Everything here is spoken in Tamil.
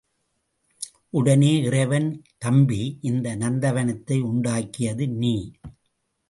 உடனே இறைவன், தம்பி, இந்த நந்தவனத்தை உண்டாக்கியது நீ.